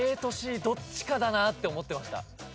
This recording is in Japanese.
ＡとＣどっちかだなって思ってました。